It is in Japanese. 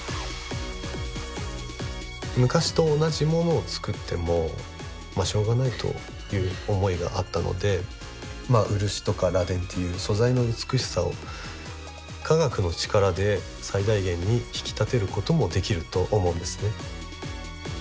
昔と同じものを作ってもまあしょうがないという思いがあったので漆とか螺鈿という素材の美しさを科学の力で最大限に引き立てることもできると思うんですね。